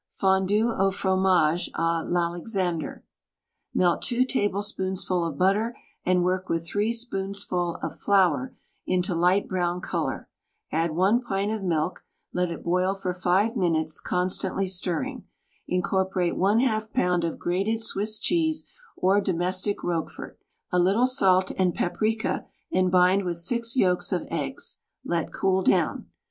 FONDU AU FROMAGE A L'ALEXANDER Melt two tablespoonsful of butter and work with three spoonsful of flour into light brown color; add one pint of milk, let it boil for five minutes, constantly stirring; incorporate J4 pound of grated Swiss cheese or domestic Roquefort, a little salt and paprika, and bind with six yolks of eggs; let cool down.